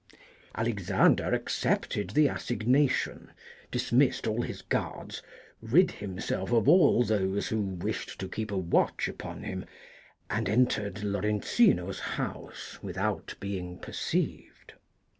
Alexander accepted the assignation, dismissed all his guards, rid himself of all those who wished to keep a watch upon him, and entered Lorenzino's house without being perceived.